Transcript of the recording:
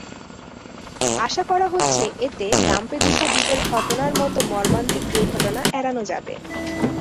আশা করা হচ্ছে, এতে লাম্পেদুসা দ্বীপের ঘটনার মতো মর্মান্তিক দুর্ঘটনা এড়ানো যাবে।